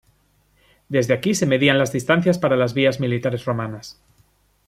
Desde aquí se medían las distancias para las vías militares romanas.